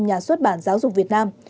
nhà xuất bản giáo dục việt nam